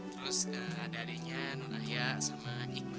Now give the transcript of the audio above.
terus ada adenya nunahya sama iqbal